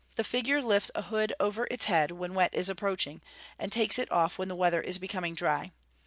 The figure lifts a hood over its head when wet is approaching, and takes it off when the weather is becoming dry.